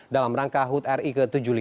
dalam rangka hut ri ke tujuh puluh lima